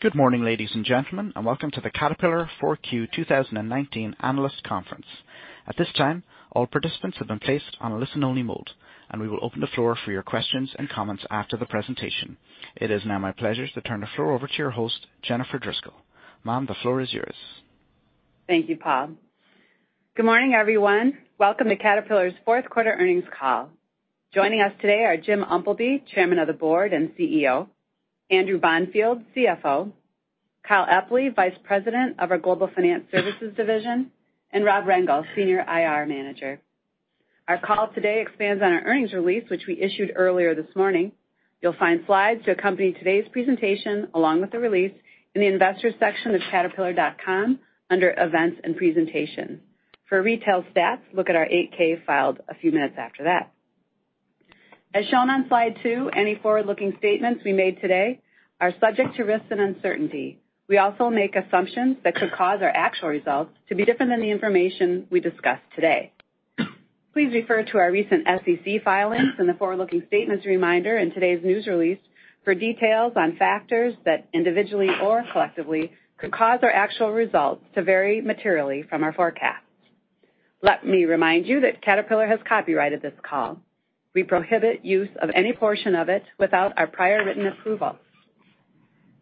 Good morning, ladies and gentlemen, and welcome to the Caterpillar 4Q 2019 Analyst Conference. At this time, all participants have been placed on a listen only mode, and we will open the floor for your questions and comments after the presentation. It is now my pleasure to turn the floor over to your host, Jennifer Driscoll. Ma'am, the floor is yours. Thank you, Paul. Good morning, everyone. Welcome to Caterpillar's fourth quarter earnings call. Joining us today are Jim Umpleby, Chairman of the Board and CEO, Andrew Bonfield, CFO, Kyle Epley, Vice President of our Global Finance Services Division, and Rob Rengel, Senior IR Manager. Our call today expands on our earnings release, which we issued earlier this morning. You'll find slides to accompany today's presentation along with the release in the investor section of caterpillar.com under Events and Presentation. For retail stats, look at our 8-K filed a few minutes after that. As shown on Slide two, any forward-looking statements we made today are subject to risk and uncertainty. We also make assumptions that could cause our actual results to be different than the information we discuss today. Please refer to our recent SEC filings and the forward-looking statements reminder in today's news release for details on factors that individually or collectively could cause our actual results to vary materially from our forecasts. Let me remind you that Caterpillar has copyrighted this call. We prohibit use of any portion of it without our prior written approval.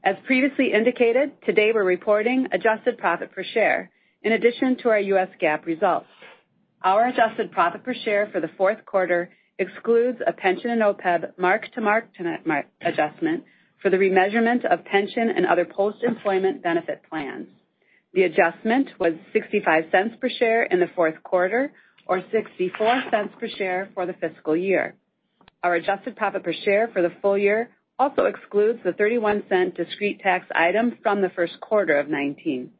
As previously indicated, today we're reporting adjusted profit per share in addition to our U.S. GAAP results. Our adjusted profit per share for the fourth quarter excludes a pension and OPEB mark-to-market adjustment for the remeasurement of pension and other post-employment benefit plans. The adjustment was $0.65 per share in the fourth quarter or $0.64 per share for the fiscal year. Our adjusted profit per share for the full-year also excludes the $0.31 discrete tax item from the first quarter of 2019.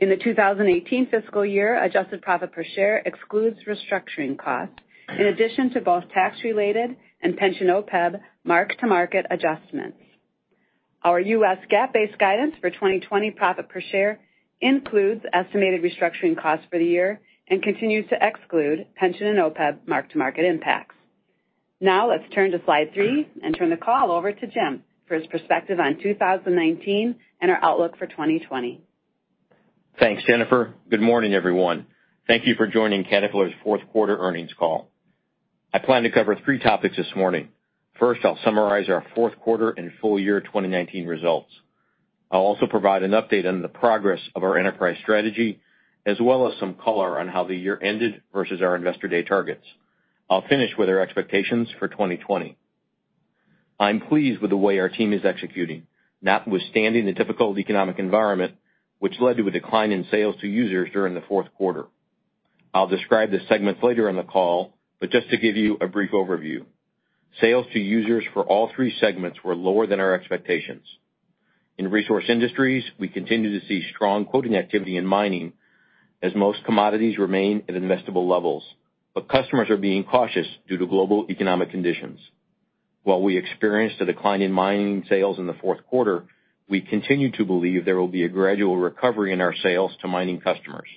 In the 2018 fiscal year, adjusted profit per share excludes restructuring costs, in addition to both tax-related and pension OPEB mark-to-market adjustments. Our U.S. GAAP-based guidance for 2020 profit per share includes estimated restructuring costs for the year and continues to exclude pension and OPEB mark-to-market impacts. Let's turn to Slide three and turn the call over to Jim for his perspective on 2019 and our outlook for 2020. Thanks, Jennifer. Good morning, everyone. Thank you for joining Caterpillar's fourth quarter earnings call. I plan to cover three topics this morning. First, I'll summarize our fourth quarter and full-year 2019 results. I'll also provide an update on the progress of our enterprise strategy, as well as some color on how the year ended versus our Investor Day targets. I'll finish with our expectations for 2020. I'm pleased with the way our team is executing, notwithstanding the difficult economic environment, which led to a decline in sales to users during the fourth quarter. Just to give you a brief overview, sales to users for all three segments were lower than our expectations. In Resource Industries, we continue to see strong quoting activity in mining as most commodities remain at investable levels. Customers are being cautious due to global economic conditions. While we experienced a decline in mining sales in the fourth quarter, we continue to believe there will be a gradual recovery in our sales to mining customers.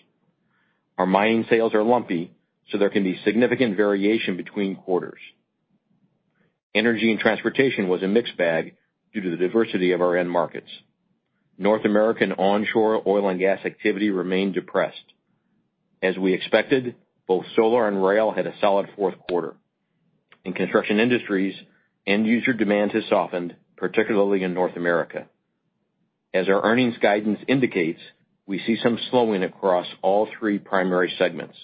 Our mining sales are lumpy, so there can be significant variation between quarters. Energy & Transportation was a mixed bag due to the diversity of our end markets. North American onshore oil and gas activity remained depressed. As we expected, both Solar and rail had a solid fourth quarter. In Construction Industries, end-user demand has softened, particularly in North America. As our earnings guidance indicates, we see some slowing across all three primary segments.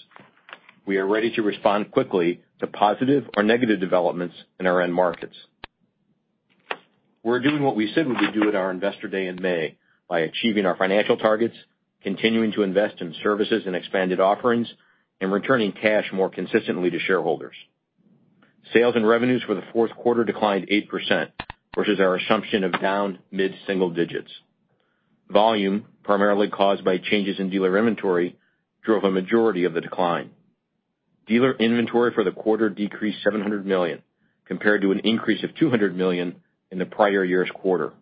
We are ready to respond quickly to positive or negative developments in our end markets. We're doing what we said we would do at our Investor Day in May by achieving our financial targets, continuing to invest in services and expanded offerings, and returning cash more consistently to shareholders. Sales and revenues for the fourth quarter declined 8%, versus our assumption of down mid-single digits. Volume, primarily caused by changes in dealer inventory, drove a majority of the decline. Dealer inventory for the quarter decreased $700 million, compared to an increase of $200 million in the prior year's quarter.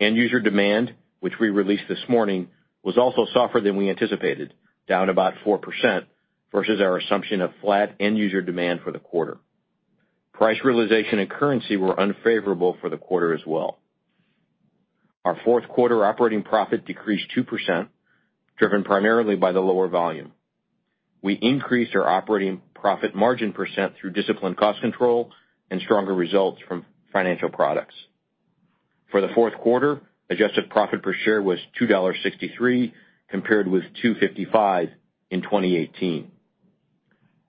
End-user demand, which we released this morning, was also softer than we anticipated, down about 4%, versus our assumption of flat end-user demand for the quarter. Price realization and currency were unfavorable for the quarter as well. Our fourth quarter operating profit decreased 2%, driven primarily by the lower volume. We increased our operating profit margin percent through disciplined cost control and stronger results from Financial Products. For the fourth quarter, adjusted profit per share was $2.63, compared with $2.55 in 2018.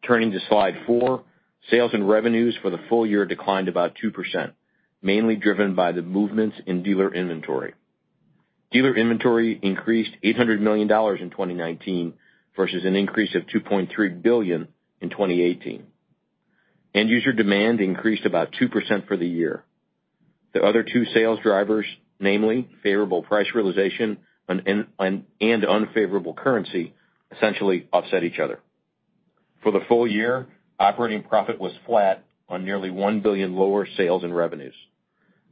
Turning to Slide four, sales and revenues for the full-year declined about 2%, mainly driven by the movements in dealer inventory. Dealer inventory increased $800 million in 2019 versus an increase of $2.3 billion in 2018. End-user demand increased about 2% for the year. The other two sales drivers, namely favorable price realization and unfavorable currency, essentially offset each other. For the full-year, operating profit was flat on nearly $1 billion lower sales and revenues.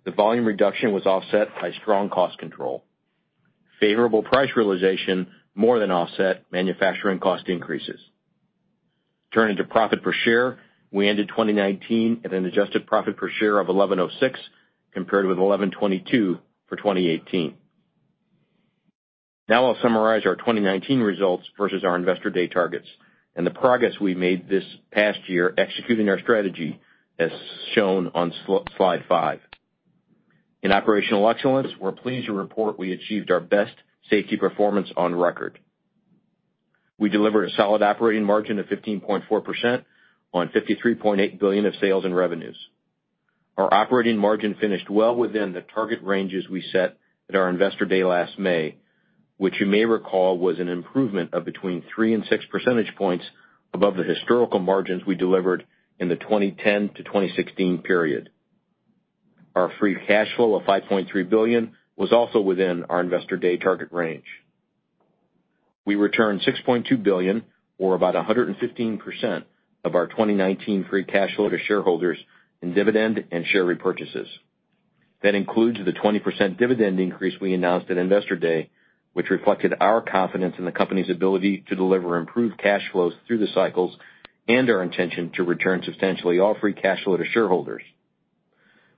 The volume reduction was offset by strong cost control. Favorable price realization more than offset manufacturing cost increases. Turning to profit per share, we ended 2019 at an adjusted profit per share of $11.06 compared with $11.22 for 2018. I'll summarize our 2019 results versus our Investor Day targets and the progress we made this past year executing our strategy, as shown on slide five. In operational excellence, we're pleased to report we achieved our best safety performance on record. We delivered a solid operating margin of 15.4% on $53.8 billion of sales and revenues. Our operating margin finished well within the target ranges we set at our Investor Day last May, which you may recall, was an improvement of between 3 and 6 percentage points above the historical margins we delivered in the 2010-2016 period. Our free cashflow of $5.3 billion was also within our Investor Day target range. We returned $6.2 billion or about 115% of our 2019 free cashflow to shareholders in dividend and share repurchases. That includes the 20% dividend increase we announced at Investor Day, which reflected our confidence in the company's ability to deliver improved cash flows through the cycles and our intention to return substantially all free cash flow to shareholders.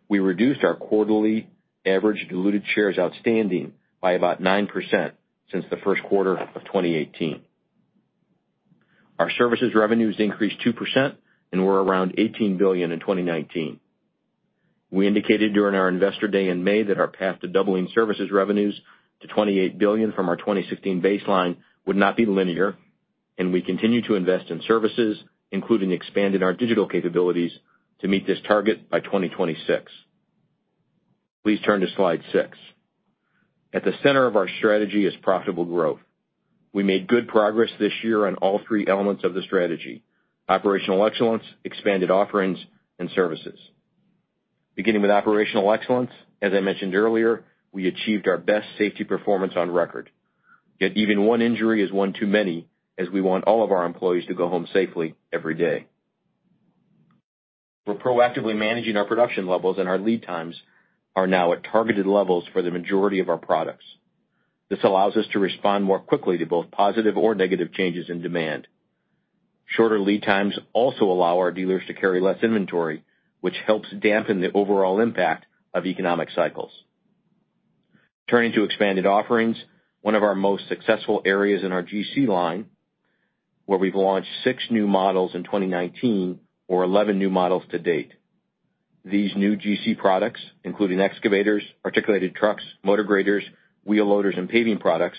We reduced our quarterly average diluted shares outstanding by about 9% since the first quarter of 2018. Our services revenues increased 2% and were around $18 billion in 2019. We indicated during our Investor Day in May that our path to doubling services revenues to $28 billion from our 2016 baseline would not be linear, and we continue to invest in services, including expanding our digital capabilities to meet this target by 2026. Please turn to Slide six. At the center of our strategy is profitable growth. We made good progress this year on all three elements of the strategy: operational excellence, expanded offerings, and services. Beginning with operational excellence, as I mentioned earlier, we achieved our best safety performance on record. Yet even one injury is one too many, as we want all of our employees to go home safely every day. We're proactively managing our production levels. Our lead times are now at targeted levels for the majority of our products. This allows us to respond more quickly to both positive or negative changes in demand. Shorter lead times also allow our dealers to carry less inventory, which helps dampen the overall impact of economic cycles. Turning to expanded offerings, one of our most successful areas in our GC line, where we've launched six new models in 2019 or 11 new models to date. These new GC products, including excavators, articulated trucks, motor graders, wheel loaders, and paving products,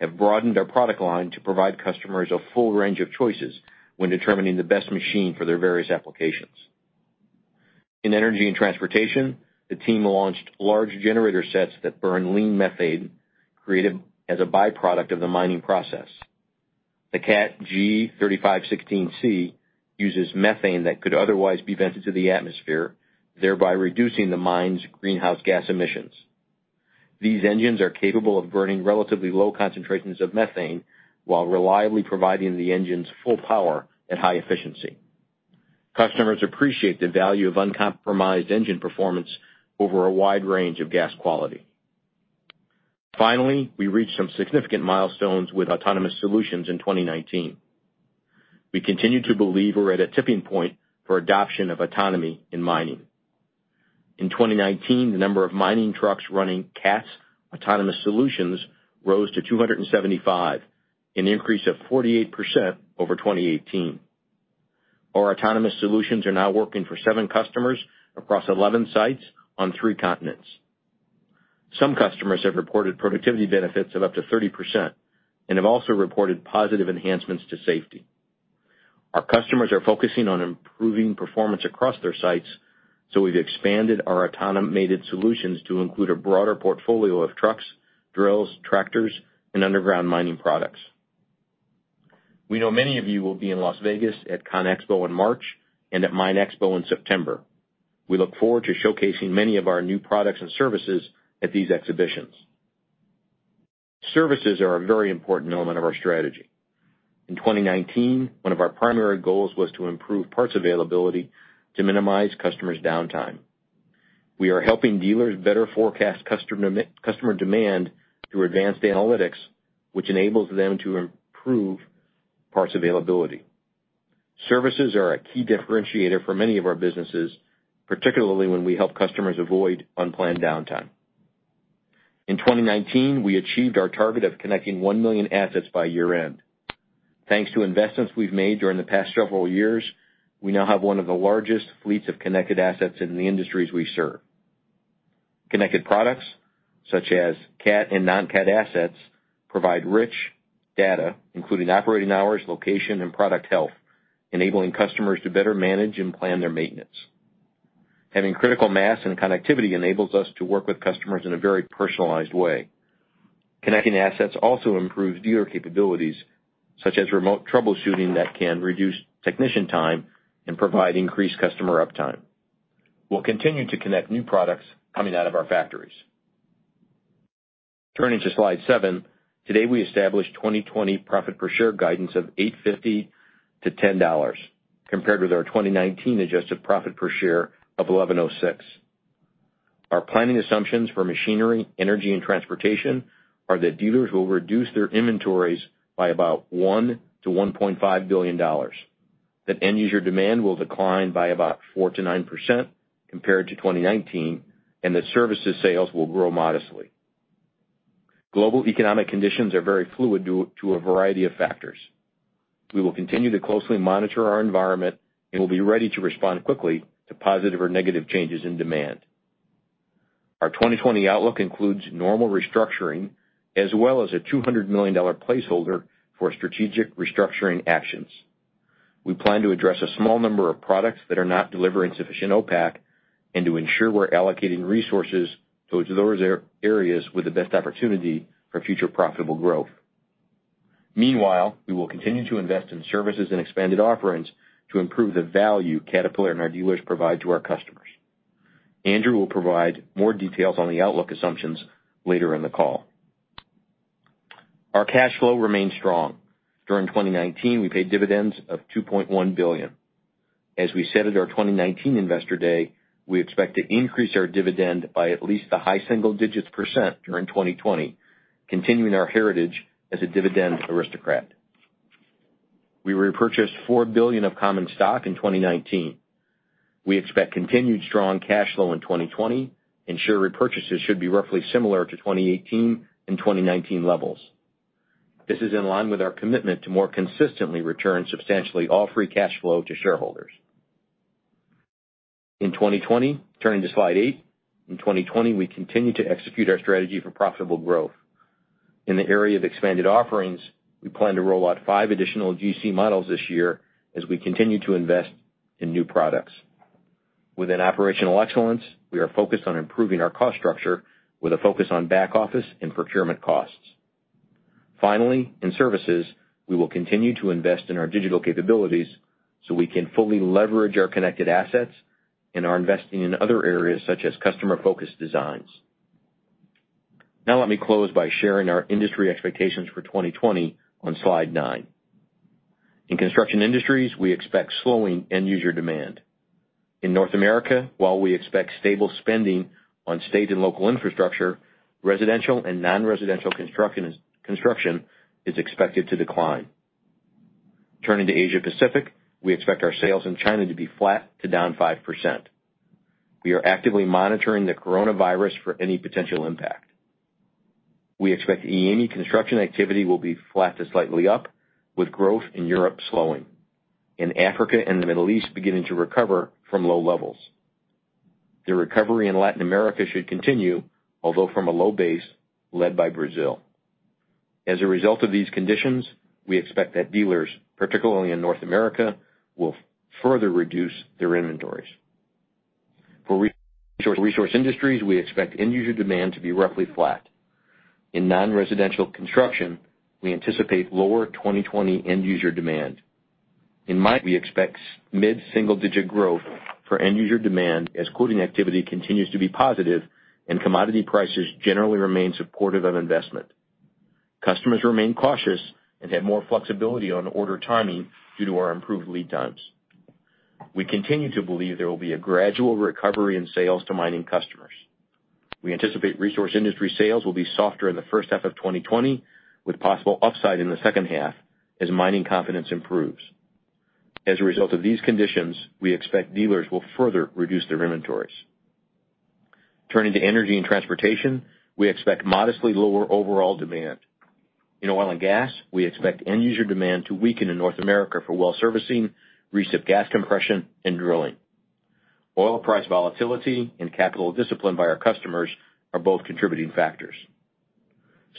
have broadened our product line to provide customers a full range of choices when determining the best machine for their various applications. In Energy & Transportation, the team launched large generator sets that burn lean methane, created as a by-product of the mining process. The Cat G3516C uses methane that could otherwise be vented to the atmosphere, thereby reducing the mine's greenhouse gas emissions. These engines are capable of burning relatively low concentrations of methane while reliably providing the engine's full power at high efficiency. Customers appreciate the value of uncompromised engine performance over a wide range of gas quality. Finally, we reached some significant milestones with autonomous solutions in 2019. We continue to believe we're at a tipping point for adoption of autonomy in mining. In 2019, the number of mining trucks running Cat's autonomous solutions rose to 275, an increase of 48% over 2018. Our autonomous solutions are now working for seven customers across 11 sites on three continents. Some customers have reported productivity benefits of up to 30% and have also reported positive enhancements to safety. Our customers are focusing on improving performance across their sites, so we've expanded our automated solutions to include a broader portfolio of trucks, drills, tractors, and underground mining products. We know many of you will be in Las Vegas at CONEXPO in March and at MINExpo in September. We look forward to showcasing many of our new products and services at these exhibitions. Services are a very important element of our strategy. In 2019, one of our primary goals was to improve parts availability to minimize customers' downtime. We are helping dealers better forecast customer demand through advanced analytics, which enables them to improve parts availability. Services are a key differentiator for many of our businesses, particularly when we help customers avoid unplanned downtime. In 2019, we achieved our target of connecting 1 million assets by year-end. Thanks to investments we've made during the past several years, we now have one of the largest fleets of connected assets in the industries we serve. Connected products such as Cat and non-Cat assets provide rich data, including operating hours, location, and product health, enabling customers to better manage and plan their maintenance. Having critical mass and connectivity enables us to work with customers in a very personalized way. Connecting assets also improves dealer capabilities, such as remote troubleshooting that can reduce technician time and provide increased customer uptime. We'll continue to connect new products coming out of our factories. Turning to Slide seven. Today, we established 2020 profit per share guidance of $8.50-$10 compared with our 2019 adjusted profit per share of $11.06. Our planning assumptions for Machinery, Energy & Transportation are that dealers will reduce their inventories by about $1 billion-$1.5 billion, that end user demand will decline by about 4%-9% compared to 2019, and that services sales will grow modestly. Global economic conditions are very fluid due to a variety of factors. We will continue to closely monitor our environment and will be ready to respond quickly to positive or negative changes in demand. Our 2020 outlook includes normal restructuring as well as a $200 million placeholder for strategic restructuring actions. We plan to address a small number of products that are not delivering sufficient OPACC and to ensure we're allocating resources towards those areas with the best opportunity for future profitable growth. Meanwhile, we will continue to invest in services and expanded offerings to improve the value Caterpillar and our dealers provide to our customers. Andrew will provide more details on the outlook assumptions later in the call. Our cash flow remains strong. During 2019, we paid dividends of $2.1 billion. As we said at our 2019 Investor Day, we expect to increase our dividend by at least the high single-digits percent during 2020, continuing our heritage as a dividend aristocrat. We repurchased $4 billion of common stock in 2019. We expect continued strong cash flow in 2020 and share repurchases should be roughly similar to 2018 and 2019 levels. This is in line with our commitment to more consistently return substantially all free cash flow to shareholders. In 2020, turning to Slide eight. In 2020, we continue to execute our strategy for profitable growth. In the area of expanded offerings, we plan to roll out five additional GC models this year as we continue to invest in new products. Within operational excellence, we are focused on improving our cost structure with a focus on back office and procurement costs. Finally, in services, we will continue to invest in our digital capabilities so we can fully leverage our connected assets and are investing in other areas such as customer-focused designs. Let me close by sharing our industry expectations for 2020 on Slide nine. In Construction Industries, we expect slowing end user demand. In North America, while we expect stable spending on state and local infrastructure, residential and non-residential construction is expected to decline. Turning to Asia Pacific, we expect our sales in China to be flat to down 5%. We are actively monitoring the coronavirus for any potential impact. We expect EAME construction activity will be flat to slightly up, with growth in Europe slowing, and Africa and the Middle East beginning to recover from low levels. The recovery in Latin America should continue, although from a low base led by Brazil. As a result of these conditions, we expect that dealers, particularly in North America, will further reduce their inventories. For Resource Industries, we expect end user demand to be roughly flat. In non-residential construction, we anticipate lower 2020 end user demand. In mining, we expect mid-single digit growth for end user demand as quoting activity continues to be positive and commodity prices generally remain supportive of investment. Customers remain cautious and have more flexibility on order timing due to our improved lead times. We continue to believe there will be a gradual recovery in sales to mining customers. We anticipate Resource Industries sales will be softer in the first half of 2020, with possible upside in the second half as mining confidence improves. As a result of these conditions, we expect dealers will further reduce their inventories. Turning to Energy & Transportation, we expect modestly lower overall demand. In oil and gas, we expect end user demand to weaken in North America for well servicing, reciprocating gas compression, and drilling. Oil price volatility and capital discipline by our customers are both contributing factors.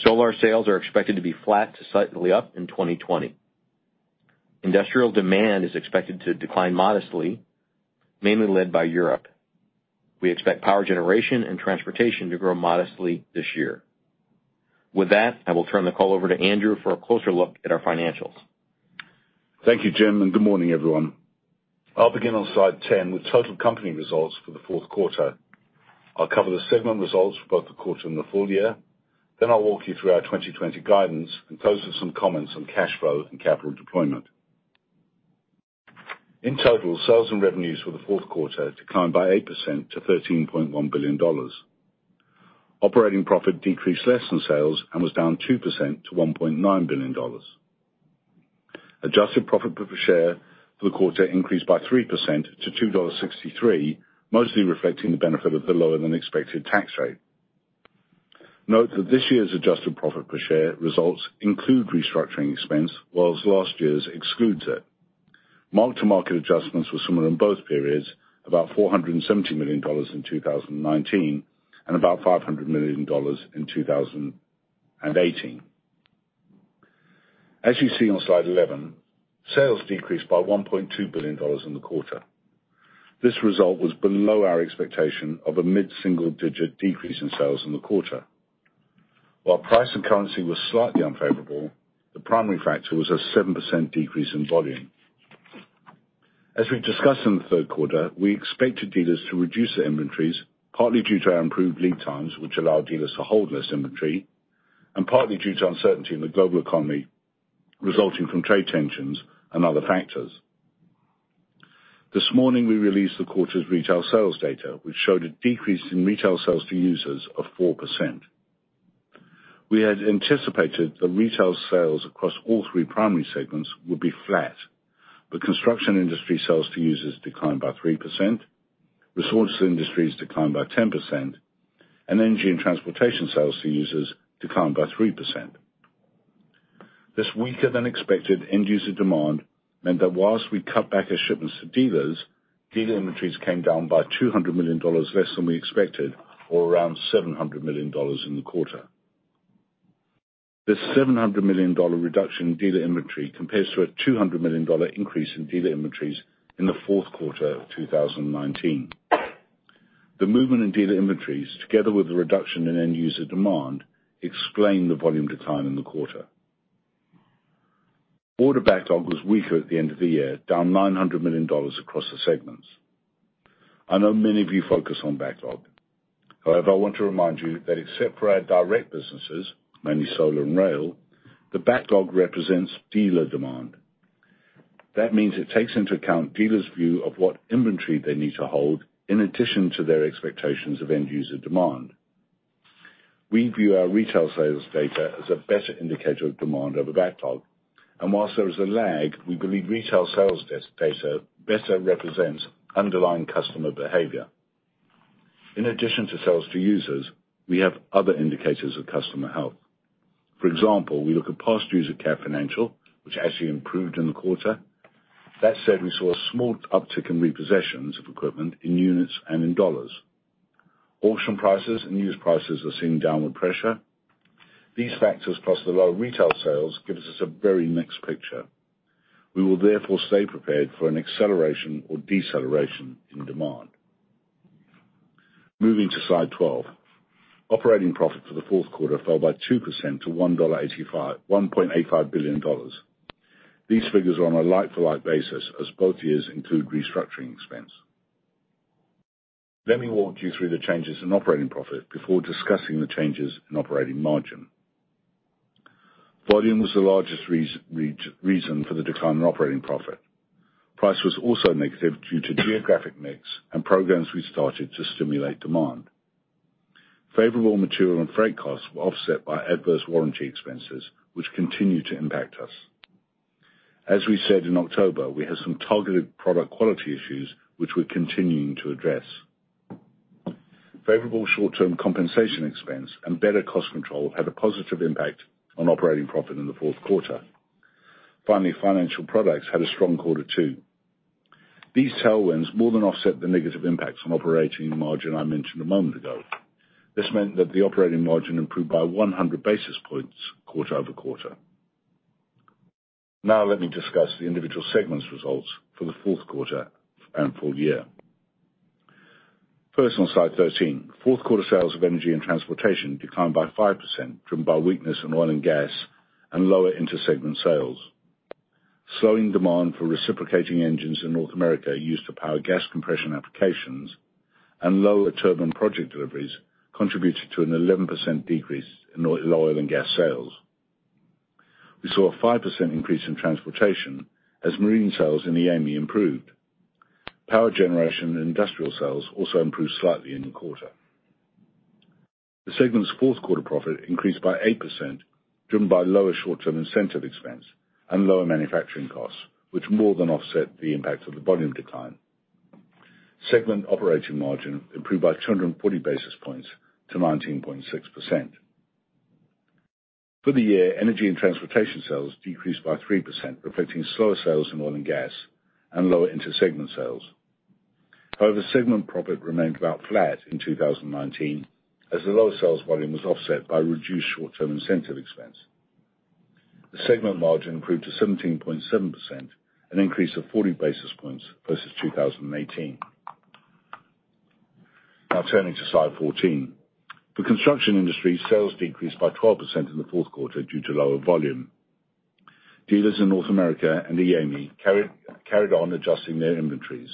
Solar sales are expected to be flat to slightly up in 2020. Industrial demand is expected to decline modestly, mainly led by Europe. We expect power generation and transportation to grow modestly this year. With that, I will turn the call over to Andrew for a closer look at our financials. Thank you, Jim, and good morning, everyone. I'll begin on slide 10 with total company results for the fourth quarter. I'll cover the segment results for both the quarter and the full-year. I'll walk you through our 2020 guidance and close with some comments on cash flow and capital deployment. In total, sales and revenues for the fourth quarter declined by 8% to $13.1 billion. Operating profit decreased less than sales and was down 2% to $1.9 billion. Adjusted profit per share for the quarter increased by 3% to $2.63, mostly reflecting the benefit of the lower-than-expected tax rate. Note that this year's adjusted profit per share results include restructuring expense, whilst last year's excludes it. Mark-to-market adjustments were similar in both periods, about $470 million in 2019 and about $500 million in 2018. As you see on Slide 11, sales decreased by $1.2 billion in the quarter. This result was below our expectation of a mid-single-digit decrease in sales in the quarter. While price and currency were slightly unfavorable, the primary factor was a 7% decrease in volume. As we discussed in the third quarter, we expected dealers to reduce their inventories, partly due to our improved lead times, which allow dealers to hold less inventory, and partly due to uncertainty in the global economy resulting from trade tensions and other factors. This morning, we released the quarter's retail sales data, which showed a decrease in retail sales to users of 4%. We had anticipated that retail sales across all three primary segments would be flat, but Construction Industries sales to users declined by 3%, Resource Industries declined by 10%, and Energy & Transportation sales to users declined by 3%. This weaker than expected end user demand meant that while we cut back our shipments to dealers, dealer inventories came down by $200 million less than we expected, or around $700 million in the quarter. This $700 million reduction in dealer inventory compares to a $200 million increase in dealer inventories in the fourth quarter of 2019. The movement in dealer inventories, together with the reduction in end user demand, explain the volume decline in the quarter. Order backlog was weaker at the end of the year, down $900 million across the segments. I know many of you focus on backlog. However, I want to remind you that except for our direct businesses, mainly Solar and rail, the backlog represents dealer demand. That means it takes into account dealers' view of what inventory they need to hold in addition to their expectations of end user demand. We view our retail sales data as a better indicator of demand over backlog. While there is a lag, we believe retail sales data better represents underlying customer behavior. In addition to sales to users, we have other indicators of customer health. For example, we look at past dues at Cat Financial, which actually improved in the quarter. That said, we saw a small uptick in repossessions of equipment in units and in dollars. Auction prices and used prices are seeing downward pressure. These factors, plus the lower retail sales, gives us a very mixed picture. We will therefore stay prepared for an acceleration or deceleration in demand. Moving to Slide 12. Operating profit for the fourth quarter fell by 2% to $1.85 billion. These figures are on a like-for-like basis, as both years include restructuring expense. Let me walk you through the changes in operating profit before discussing the changes in operating margin. Volume was the largest reason for the decline in operating profit. Price was also negative due to geographic mix and programs we started to stimulate demand. Favorable material and freight costs were offset by adverse warranty expenses, which continue to impact us. As we said in October, we have some targeted product quality issues, which we're continuing to address. Favorable short-term compensation expense and better cost control had a positive impact on operating profit in the fourth quarter. Financial Products had a strong quarter too. These tailwinds more than offset the negative impacts on operating margin I mentioned a moment ago. This meant that the operating margin improved by 100 basis points quarter-over-quarter. Let me discuss the individual segments results for the fourth quarter and full-year. First, on slide 13, fourth quarter sales of Energy & Transportation declined by 5%, driven by weakness in oil and gas and lower inter-segment sales. Slowing demand for reciprocating engines in North America used to power gas compression applications and lower turbine project deliveries contributed to an 11% decrease in lower oil and gas sales. We saw a 5% increase in transportation as marine sales in the EAME improved. Power generation and industrial sales also improved slightly in the quarter. The segment's fourth-quarter profit increased by 8%, driven by lower short-term incentive expense and lower manufacturing costs, which more than offset the impact of the volume decline. Segment operating margin improved by 240 basis points to 19.6%. For the year, Energy & Transportation sales decreased by 3%, reflecting slower sales in oil and gas and lower inter-segment sales. Segment profit remained about flat in 2019, as the lower sales volume was offset by reduced short-term incentive expense. The segment margin improved to 17.7%, an increase of 40 basis points versus 2018. Turning to slide 14. For Construction Industries, sales decreased by 12% in the fourth quarter due to lower volume. Dealers in North America and the EAME carried on adjusting their inventories.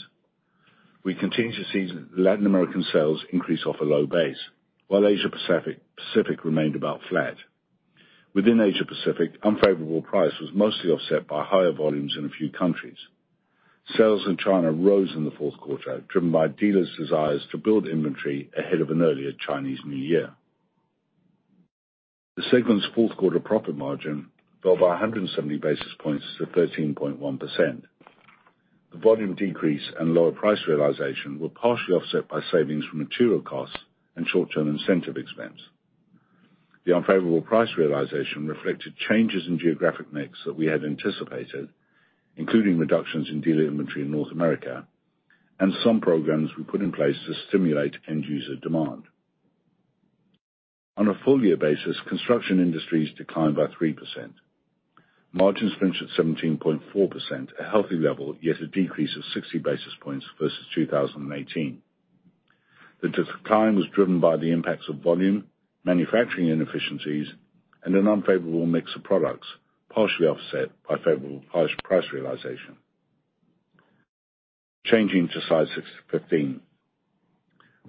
We continue to see Latin American sales increase off a low base, while Asia-Pacific remained about flat. Within Asia-Pacific, unfavorable price was mostly offset by higher volumes in a few countries. Sales in China rose in the fourth quarter, driven by dealers' desires to build inventory ahead of an earlier Chinese New Year. The segment's fourth quarter profit margin fell by 170 basis points to 13.1%. The volume decrease and lower price realization were partially offset by savings from material costs and short-term incentive expense. The unfavorable price realization reflected changes in geographic mix that we had anticipated, including reductions in dealer inventory in North America and some programs we put in place to stimulate end user demand. On a full-year basis, Construction Industries declined by 3%. Margins finished at 17.4%, a healthy level, yet a decrease of 60 basis points versus 2018. The decline was driven by the impacts of volume, manufacturing inefficiencies, and an unfavorable mix of products, partially offset by favorable price realization. Changing to slide 15.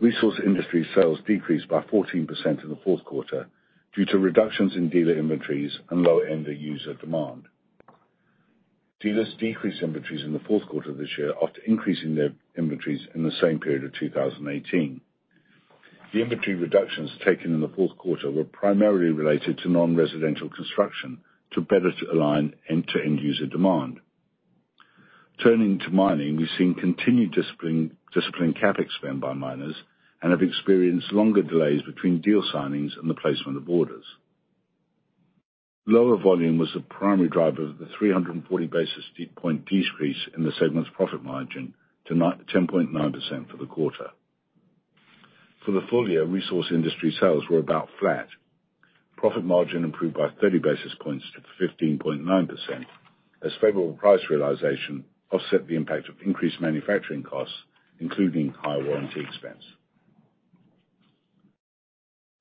Resource Industries sales decreased by 14% in the fourth quarter due to reductions in dealer inventories and lower end user demand. Dealers decreased inventories in the fourth quarter of this year after increasing their inventories in the same period of 2018. The inventory reductions taken in the fourth quarter were primarily related to non-residential construction to better align end-to-end user demand. Turning to mining, we've seen continued disciplined CapEx spend by miners and have experienced longer delays between deal signings and the placement of orders. Lower volume was the primary driver of the 340 basis point decrease in the segment's profit margin to 10.9% for the quarter. For the full-year, Resource Industries sales were about flat. Profit margin improved by 30 basis points to 15.9% as favorable price realization offset the impact of increased manufacturing costs, including higher warranty expense.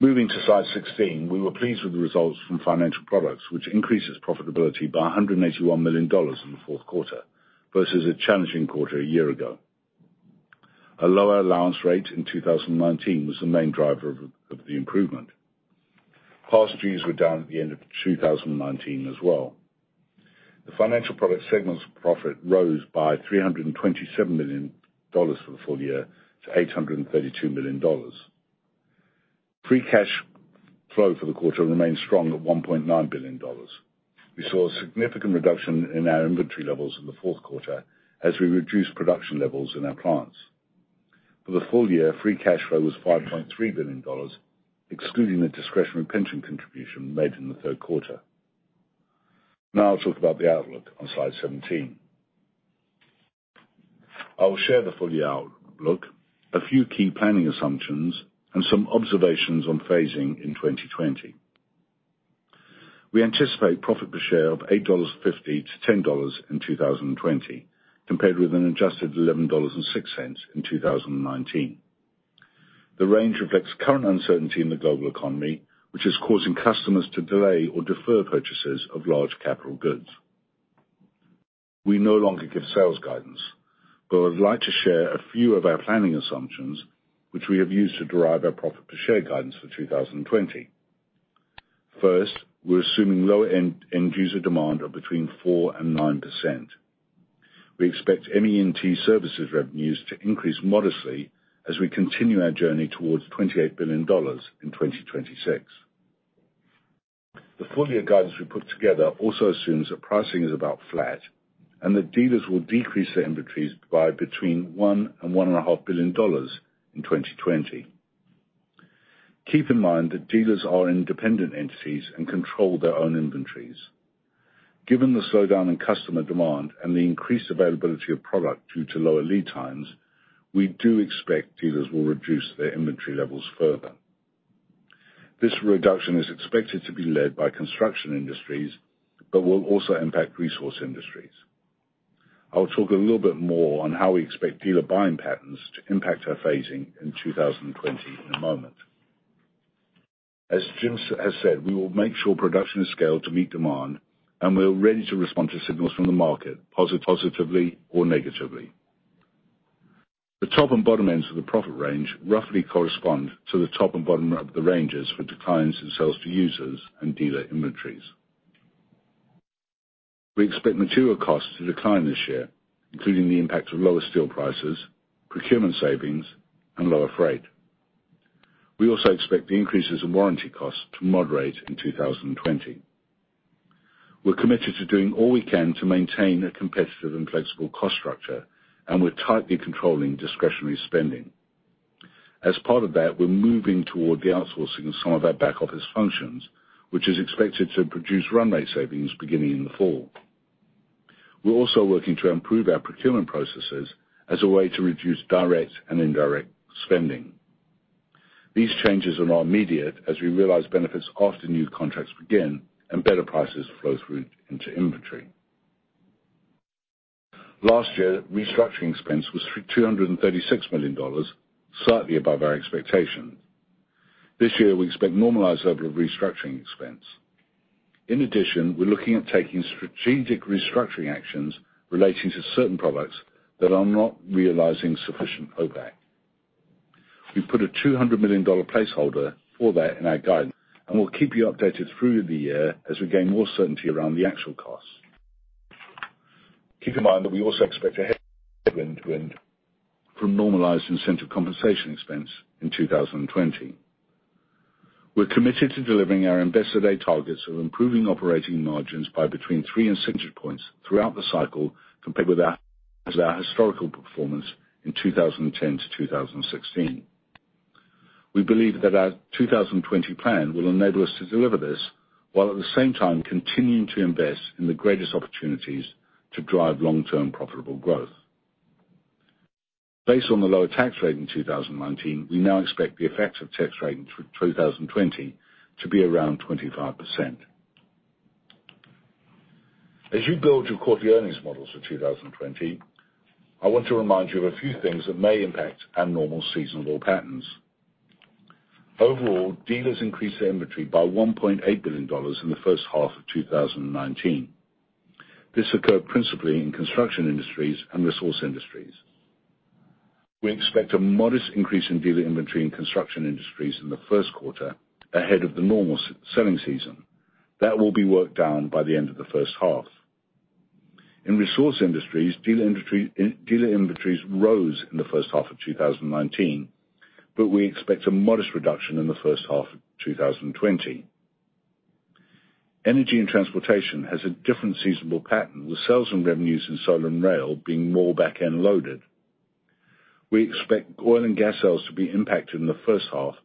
Moving to Slide 16, we were pleased with the results from Financial Products, which increases profitability by $181 million in the fourth quarter versus a challenging quarter a year ago. A lower allowance rate in 2019 was the main driver of the improvement. Past dues were down at the end of 2019 as well. The Financial Products segment's profit rose by $327 million for the full-year to $832 million. Free cash flow for the quarter remained strong at $1.9 billion. We saw a significant reduction in our inventory levels in the fourth quarter as we reduced production levels in our plants. For the full-year, free cash flow was $5.3 billion, excluding the discretionary pension contribution made in the third quarter. Now I'll talk about the outlook on slide 17. I will share the full-year outlook, a few key planning assumptions, and some observations on phasing in 2020. We anticipate profit per share of $8.50-$10 in 2020, compared with an adjusted $11.06 in 2019. The range reflects current uncertainty in the global economy, which is causing customers to delay or defer purchases of large capital goods. We no longer give sales guidance, but I would like to share a few of our planning assumptions, which we have used to derive our profit per share guidance for 2020. First, we're assuming low end user demand of between 4% and 9%. We expect ME&T Services revenues to increase modestly as we continue our journey towards $28 billion in 2026. The full-year guidance we put together also assumes that pricing is about flat and that dealers will decrease their inventories by between $1 billion and $1.5 billion in 2020. Keep in mind that dealers are independent entities and control their own inventories. Given the slowdown in customer demand and the increased availability of product due to lower lead times, we do expect dealers will reduce their inventory levels further. This reduction is expected to be led by Construction Industries, but will also impact Resource Industries. I will talk a little bit more on how we expect dealer buying patterns to impact our phasing in 2020 in a moment. As Jim has said, we will make sure production is scaled to meet demand, and we are ready to respond to signals from the market, positively or negatively. The top and bottom ends of the profit range roughly correspond to the top and bottom of the ranges for declines in sales to users and dealer inventories. We expect material costs to decline this year, including the impact of lower steel prices, procurement savings, and lower freight. We also expect the increases in warranty costs to moderate in 2020. We're committed to doing all we can to maintain a competitive and flexible cost structure, and we're tightly controlling discretionary spending. As part of that, we're moving toward the outsourcing of some of our back office functions, which is expected to produce run rate savings beginning in the fall. We're also working to improve our procurement processes as a way to reduce direct and indirect spending. These changes are not immediate, as we realize benefits after new contracts begin and better prices flow through into inventory. Last year, restructuring expense was $236 million, slightly above our expectation. This year, we expect normalized level of restructuring expense. In addition, we're looking at taking strategic restructuring actions relating to certain products that are not realizing sufficient OPACC. We've put a $200 million placeholder for that in our guidance, and we'll keep you updated through the year as we gain more certainty around the actual costs. Keep in mind that we also expect a headwind from normalized incentive compensation expense in 2020. We're committed to delivering our Investor Day targets of improving operating margins by between three and six points throughout the cycle compared with our historical performance in 2010-2016. We believe that our 2020 plan will enable us to deliver this, while at the same time continuing to invest in the greatest opportunities to drive long-term profitable growth. Based on the lower tax rate in 2019, we now expect the effective tax rate in 2020 to be around 25%. As you build your quarterly earnings models for 2020, I want to remind you of a few things that may impact abnormal seasonal patterns. Overall, dealers increased their inventory by $1.8 billion in the first half of 2019. This occurred principally in Construction Industries and Resource Industries. We expect a modest increase in dealer inventory in Construction Industries in the first quarter ahead of the normal selling season. That will be worked down by the end of the first half. In Resource Industries, dealer inventories rose in the first half of 2019, but we expect a modest reduction in the first half of 2020. Energy & Transportation has a different seasonal pattern, with sales and revenues in Solar and rail being more back-end loaded. We expect oil and gas sales to be impacted in the first half,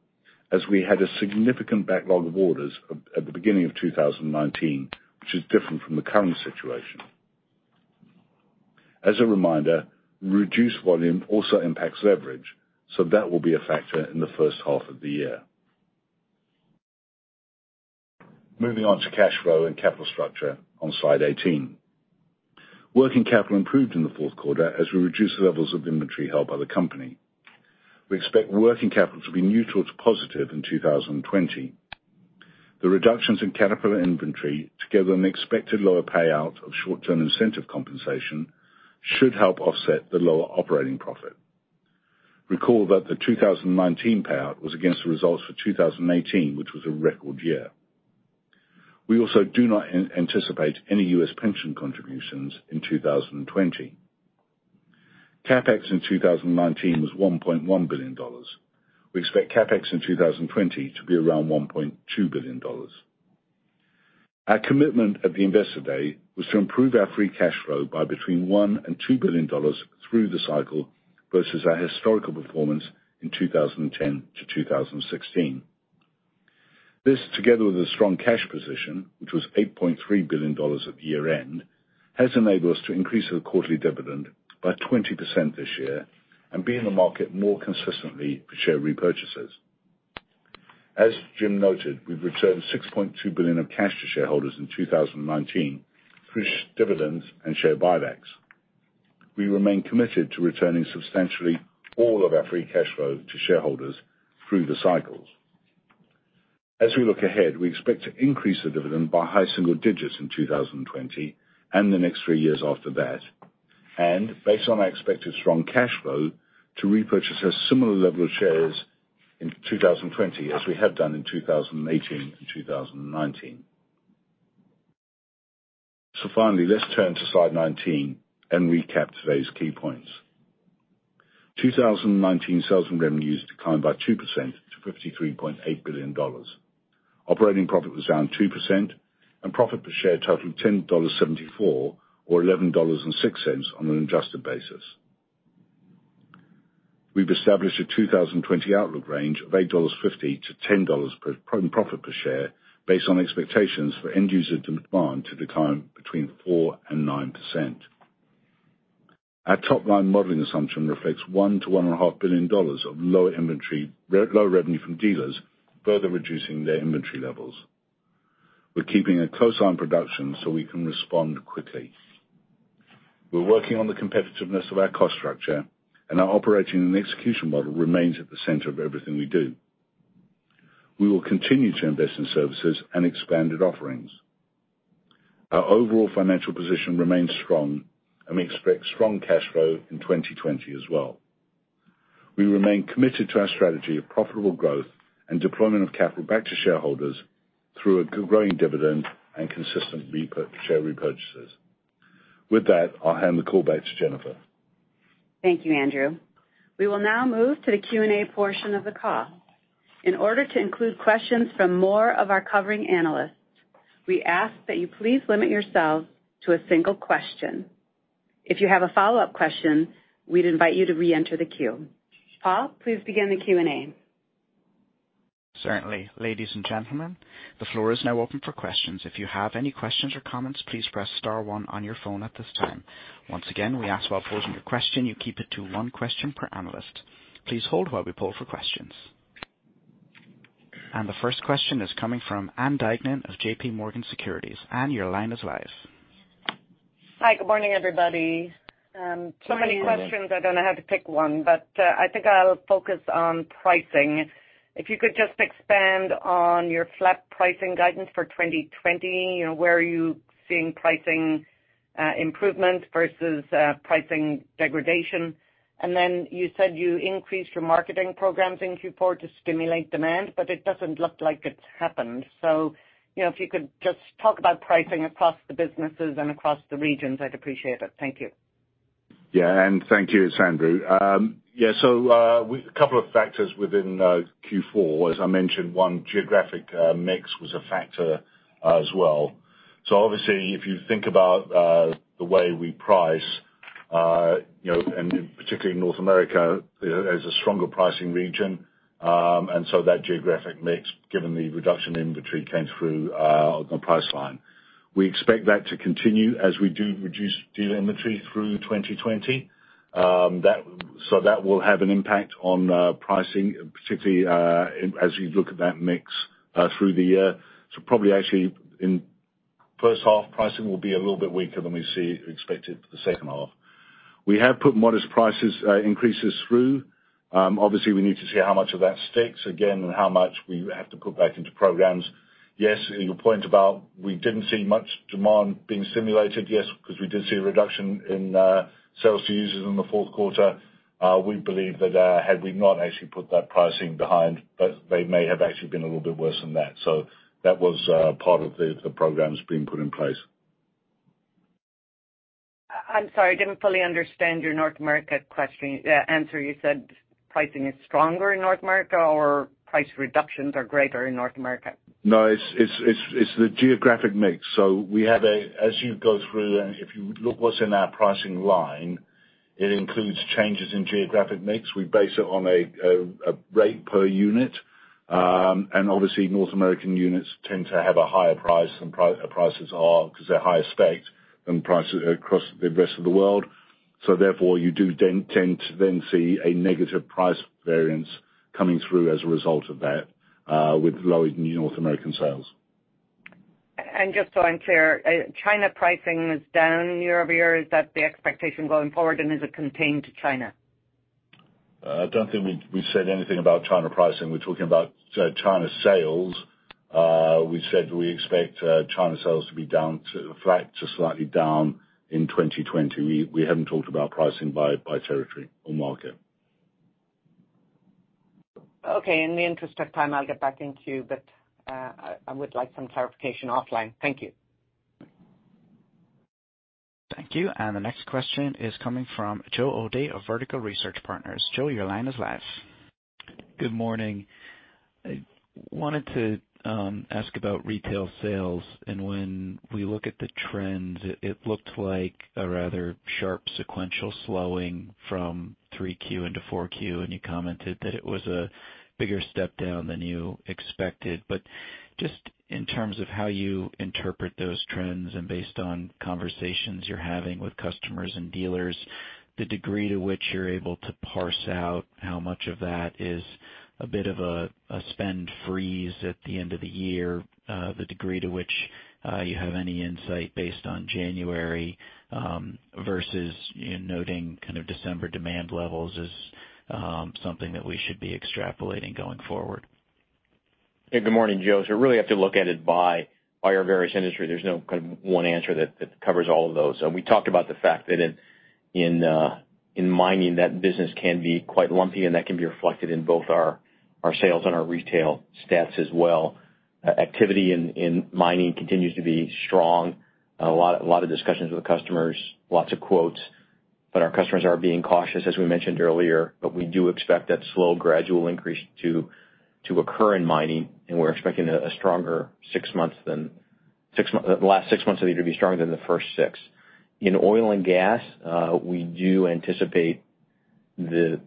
as we had a significant backlog of orders at the beginning of 2019, which is different from the current situation. As a reminder, reduced volume also impacts leverage, so that will be a factor in the first half of the year. Moving on to cash flow and capital structure on Slide 18. Working capital improved in the fourth quarter as we reduced the levels of inventory held by the company. We expect working capital to be neutral to positive in 2020. The reductions in Caterpillar inventory, together with an expected lower payout of short-term incentive compensation, should help offset the lower operating profit. Recall that the 2019 payout was against the results for 2018, which was a record year. We also do not anticipate any U.S. pension contributions in 2020. CapEx in 2019 was $1.1 billion. We expect CapEx in 2020 to be around $1.2 billion. Our commitment at the Investor Day was to improve our free cash flow by between $1 and $2 billion through the cycle versus our historical performance in 2010-2016. This, together with a strong cash position, which was $8.3 billion at year-end, has enabled us to increase the quarterly dividend by 20% this year and be in the market more consistently for share repurchases. As Jim noted, we've returned $6.2 billion of cash to shareholders in 2019 through dividends and share buybacks. We remain committed to returning substantially all of our free cash flow to shareholders through the cycles. We expect to increase the dividend by high single digits in 2020 and the next three years after that. Based on our expected strong cash flow, to repurchase a similar level of shares in 2020 as we have done in 2018 and 2019. Finally, let's turn to Slide 19 and recap today's key points. 2019 sales and revenues declined by 2% to $53.8 billion. Operating profit was down 2%, and profit per share totaled $10.74 or $11.06 on an adjusted basis. We've established a 2020 outlook range of $8.50 to $10 per profit per share based on expectations for end user demand to decline between 4% and 9%. Our top-line modeling assumption reflects $1 billion-$1.5 billion of low revenue from dealers, further reducing their inventory levels. We're keeping a close eye on production so we can respond quickly. We're working on the competitiveness of our cost structure, and our operating and execution model remains at the center of everything we do. We will continue to invest in services and expanded offerings. Our overall financial position remains strong, and we expect strong cash flow in 2020 as well. We remain committed to our strategy of profitable growth and deployment of capital back to shareholders through a growing dividend and consistent share repurchases. With that, I'll hand the call back to Jennifer. Thank you, Andrew. We will now move to the Q&A portion of the call. In order to include questions from more of our covering analysts, we ask that you please limit yourselves to a single question. If you have a follow-up question, we'd invite you to reenter the queue. Paul, please begin the Q&A. Certainly. Ladies and gentlemen, the floor is now open for questions. If you have any questions or comments, please press star one on your phone at this time. Once again, we ask while posing your question, you keep it to one question per analyst. Please hold while we poll for questions. The first question is coming from Ann Duignan of JPMorgan Securities. Ann, your line is live. Hi, good morning, everybody. Many questions, I don't know how to pick one, but I think I'll focus on pricing. If you could just expand on your flat pricing guidance for 2020, where are you seeing pricing improvement versus pricing degradation? You said you increased your marketing programs in Q4 to stimulate demand, but it doesn't look like it's happened. If you could just talk about pricing across the businesses and across the regions, I'd appreciate it. Thank you. Ann, thank you. It's Andrew. A couple of factors within Q4. As I mentioned, one geographic mix was a factor as well. Obviously, if you think about the way we price, and particularly North America as a stronger pricing region. That geographic mix, given the reduction in inventory, came through the price line. We expect that to continue as we do reduce dealer inventory through 2020. That will have an impact on pricing, particularly as you look at that mix through the year. First half pricing will be a little bit weaker than we expected for the second half. We have put modest prices increases through. Obviously, we need to see how much of that sticks, again, and how much we have to put back into programs. Yes, your point about we didn't see much demand being stimulated. Yes, because we did see a reduction in sales to users in the fourth quarter. We believe that had we not actually put that pricing behind, they may have actually been a little bit worse than that. That was part of the programs being put in place. I'm sorry, I didn't fully understand your North America answer. You said pricing is stronger in North America, or price reductions are greater in North America? No, it's the geographic mix. As you go through and if you look what's in our pricing line, it includes changes in geographic mix. We base it on a rate per unit. Obviously North American units tend to have a higher price than prices are because they're higher stacked than prices across the rest of the world. Therefore, you do then tend to then see a negative price variance coming through as a result of that, with lowered North American sales. Just so I'm clear, China pricing is down year-over-year. Is that the expectation going forward, and is it contained to China? I don't think we said anything about China pricing. We're talking about China sales. We said we expect China sales to be flat to slightly down in 2020. We haven't talked about pricing by territory or market. Okay. In the interest of time, I'll get back into you, but I would like some clarification offline. Thank you. Thank you. The next question is coming from Joe O'Dea of Vertical Research Partners. Joe, your line is live. Good morning. I wanted to ask about retail sales. When we look at the trends, it looked like a rather sharp sequential slowing from 3Q into 4Q. You commented that it was a bigger step down than you expected. Just in terms of how you interpret those trends and based on conversations you're having with customers and dealers, the degree to which you're able to parse out how much of that is a bit of a spend freeze at the end of the year, the degree to which you have any insight based on January versus noting December demand levels is something that we should be extrapolating going forward. Good morning, Joe. Really have to look at it by our various industry. There's no one answer that covers all of those. We talked about the fact that in mining, that business can be quite lumpy, and that can be reflected in both our sales and our retail stats as well. Activity in mining continues to be strong. A lot of discussions with customers, lots of quotes, but our customers are being cautious, as we mentioned earlier. We do expect that slow, gradual increase to occur in mining, and we're expecting the last six months of the year to be stronger than the first six. In oil and gas, we do anticipate the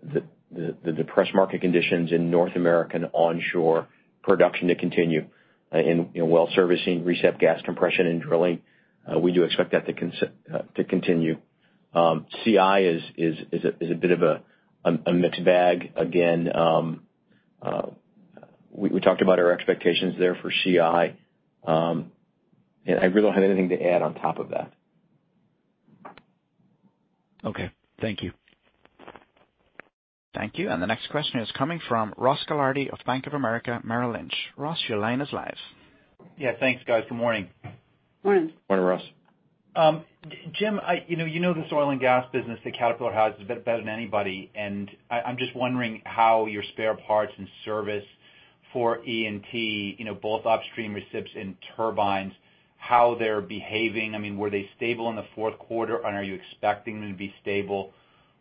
depressed market conditions in North American onshore production to continue. In well servicing, reciprocating gas compression and drilling, we do expect that to continue. CI is a bit of a mixed bag. We talked about our expectations there for CI. I really don't have anything to add on top of that. Okay. Thank you. Thank you. The next question is coming from Ross Gilardi of Bank of America Merrill Lynch. Ross, your line is live. Yeah, thanks, guys. Good morning. Morning. Morning, Ross. Jim, you know this oil and gas business that Caterpillar has better than anybody, and I'm just wondering how your spare parts and service for E&T, both upstream recips and turbines, how they're behaving. Were they stable in the fourth quarter, and are you expecting them to be stable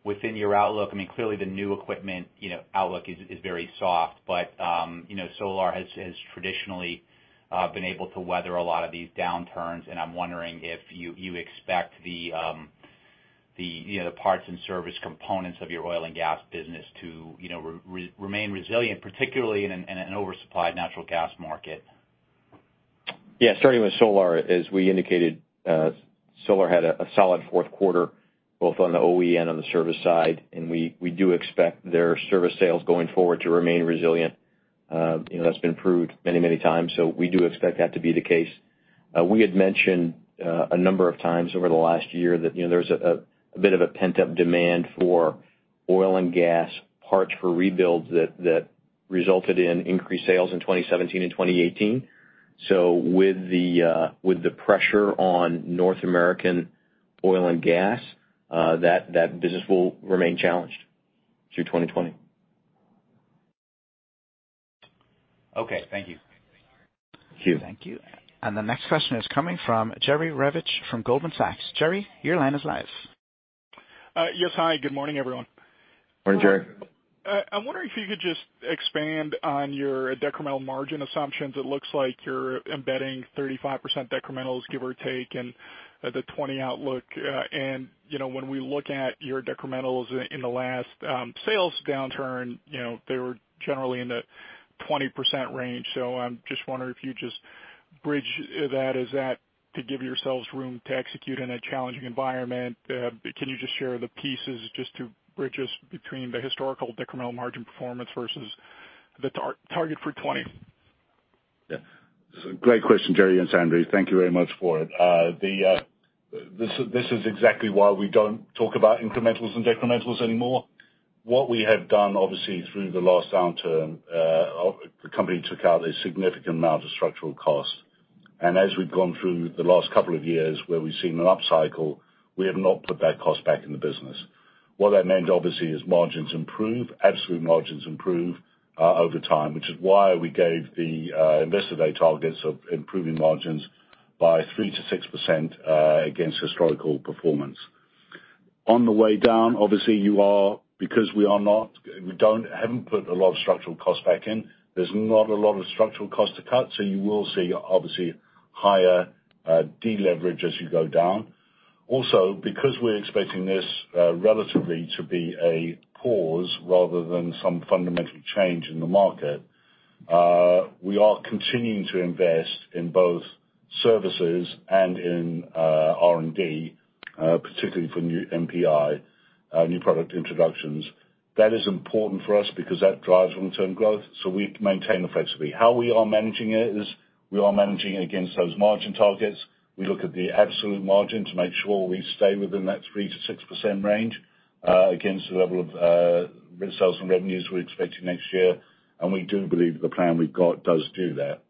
within your outlook? Clearly the new equipment outlook is very soft. Solar has traditionally been able to weather a lot of these downturns, and I'm wondering if you expect the parts and service components of your oil and gas business to remain resilient, particularly in an oversupplied natural gas market. Starting with Solar, as we indicated, Solar had a solid fourth quarter, both on the OEM and the service side. We do expect their service sales going forward to remain resilient. That's been proved many times. We do expect that to be the case. We had mentioned a number of times over the last year that there's a bit of a pent-up demand for oil and gas parts for rebuilds that resulted in increased sales in 2017 and 2018. With the pressure on North American oil and gas, that business will remain challenged through 2020. Okay. Thank you. Thank you. Thank you. The next question is coming from Jerry Revich from Goldman Sachs. Jerry, your line is live. Yes. Hi, good morning, everyone. Morning, Jerry. I'm wondering if you could just expand on your decremental margin assumptions. It looks like you're embedding 35% decrementals, give or take, and the 2020 outlook. When we look at your decrementals in the last sales downturn they were generally in the 20% range. I'm just wondering if you just bridge that. Is that to give yourselves room to execute in a challenging environment? Can you just share the pieces just to bridge us between the historical decremental margin performance versus the target for 2020. Yeah. It's a great question Jerry, it's Andrew. Thank you very much for it. This is exactly why we don't talk about incrementals and decrementals anymore. What we have done, obviously, through the last downturn, the company took out a significant amount of structural cost. As we've gone through the last couple of years where we've seen an upcycle, we have not put that cost back in the business. What that meant, obviously, is margins improve, absolute margins improve over time, which is why we gave the Investor Day targets of improving margins by 3%-6% against historical performance. On the way down, obviously, because we haven't put a lot of structural cost back in, there's not a lot of structural cost to cut, so you will see, obviously, higher de-leverage as you go down. Because we're expecting this relatively to be a pause rather than some fundamental change in the market, we are continuing to invest in both services and in R&D, particularly for new NPI, new product introductions. That is important for us because that drives long-term growth, so we maintain the flexibility. How we are managing it is we are managing it against those margin targets. We look at the absolute margin to make sure we stay within that 3%-6% range against the level of sales and revenues we're expecting next year, and we do believe the plan we've got does do that.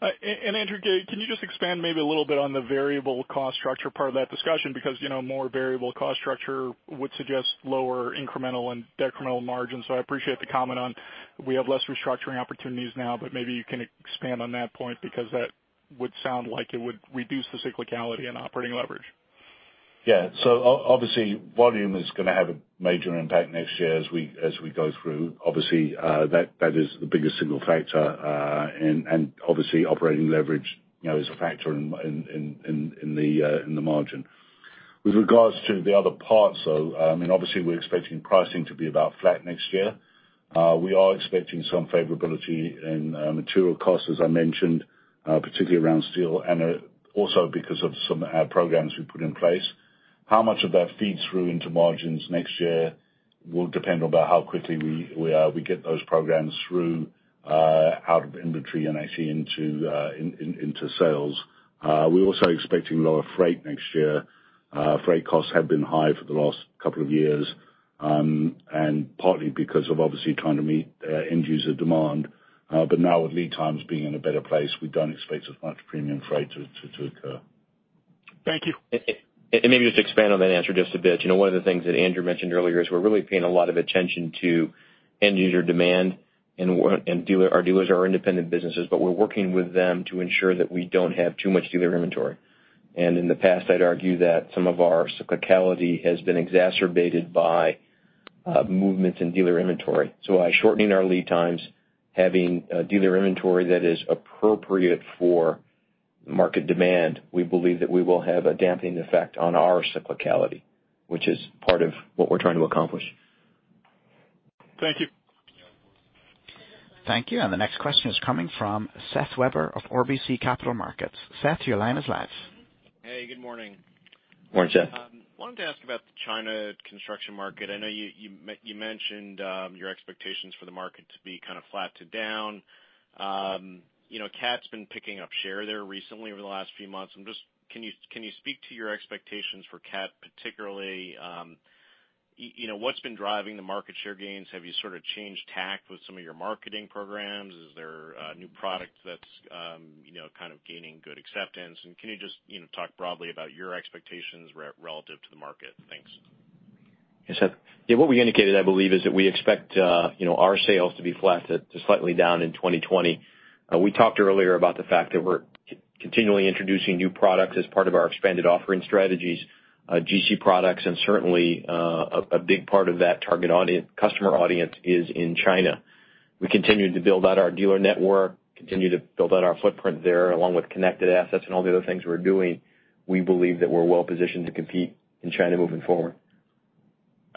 Andrew, can you just expand maybe a little bit on the variable cost structure part of that discussion? More variable cost structure would suggest lower incremental and decremental margins. I appreciate the comment on we have less restructuring opportunities now, but maybe you can expand on that point because that would sound like it would reduce the cyclicality and operating leverage. Volume is going to have a major impact next year as we go through. That is the biggest single factor, and obviously operating leverage is a factor in the margin. With regards to the other parts, though, we're expecting pricing to be about flat next year. We are expecting some favorability in material costs, as I mentioned, particularly around steel, and also because of some programs we put in place. How much of that feeds through into margins next year will depend on how quickly we get those programs through out of inventory and into sales. We're also expecting lower freight next year. Freight costs have been high for the last couple of years, and partly because of trying to meet end user demand. Now with lead times being in a better place, we don't expect as much premium freight to occur. Thank you. Maybe just to expand on that answer just a bit. One of the things that Andrew mentioned earlier is we're really paying a lot of attention to end user demand and our dealers are independent businesses, but we're working with them to ensure that we don't have too much dealer inventory. In the past, I'd argue that some of our cyclicality has been exacerbated by movements in dealer inventory. By shortening our lead times, having dealer inventory that is appropriate for market demand, we believe that we will have a damping effect on our cyclicality, which is part of what we're trying to accomplish. Thank you. Thank you. The next question is coming from Seth Weber of RBC Capital Markets. Seth, your line is live. Hey, good morning. Morning, Seth. Wanted to ask about the China construction market. I know you mentioned your expectations for the market to be kind of flat to down. Cat's been picking up share there recently over the last few months. Can you speak to your expectations for Cat particularly? What's been driving the market share gains? Have you sort of changed tack with some of your marketing programs? Is there a new product that's kind of gaining good acceptance? Can you just talk broadly about your expectations relative to the market? Thanks. Yeah, Seth. What we indicated, I believe, is that we expect our sales to be flat to slightly down in 2020. We talked earlier about the fact that we're continually introducing new products as part of our expanded offering strategies, GC products, and certainly, a big part of that target customer audience is in China. We continue to build out our dealer network, continue to build out our footprint there, along with connected assets and all the other things we're doing. We believe that we're well positioned to compete in China moving forward.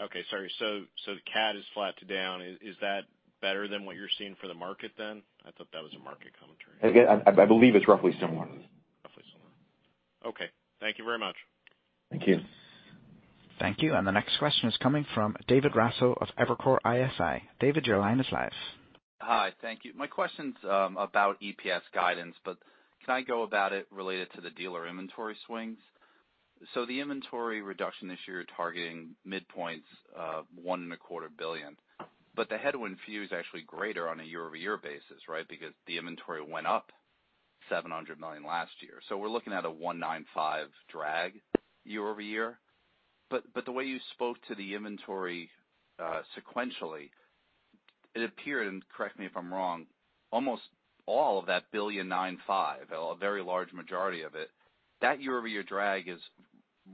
Okay. Sorry. The Cat is flat to down. Is that better than what you're seeing for the market then? I thought that was a market commentary. I believe it's roughly similar. Roughly similar. Okay. Thank you very much. Thank you. Thank you. The next question is coming from David Raso of Evercore ISI. David, your line is live. Hi. Thank you. My question's about EPS guidance, can I go about it related to the dealer inventory swings? The inventory reduction this year, you're targeting midpoints of $1.25 billion. The headwind for you is actually greater on a year-over-year basis, right? Because the inventory went up $700 million last year. We're looking at a $1.95 billion drag year-over-year. The way you spoke to the inventory sequentially, it appeared, and correct me if I'm wrong, almost all of that $1.95 billion, a very large majority of it, that year-over-year drag is